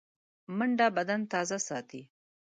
منډه بدن تازه ساتي